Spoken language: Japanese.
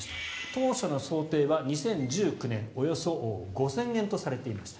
当初の想定は２０１９年およそ５０００円とされていました。